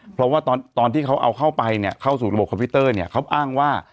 เพราะว่าตอนที่เขาเอาเข้าไปเนี่ยเข้าสู่ระบบคอมพิวเตอร์เนี่ยเขาอ้างว่า